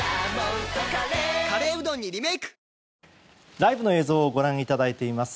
ライブの映像をご覧いただいています。